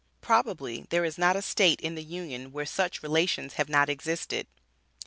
Probably there is not a state in the Union where such relations have not existed.